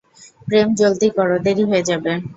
প্রেম, জলদি করো, দেরি হয়ে যাবে।